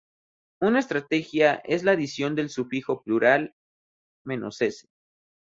Una estrategia es la adición del sufijo plural "-s".